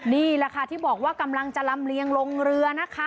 นี่แหละค่ะที่บอกว่ากำลังจะลำเลียงลงเรือนะคะ